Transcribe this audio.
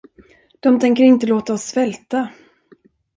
De tänker inte låta oss svälta.